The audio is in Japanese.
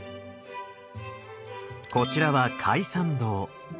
こちらは開山堂。